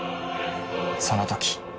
その時。